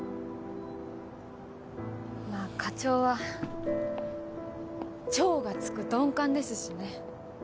まぁ課長は「超」がつく鈍感ですしね。